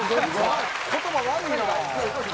言葉悪いな。